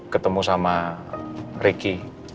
ketemu sama ricky